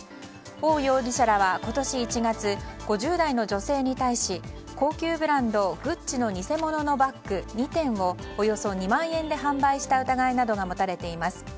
オウ容疑者らは今年１月５０代の女性に対し高級ブランドグッチの偽物のバッグ２点をおよそ２万円で販売した疑いなどが持たれています。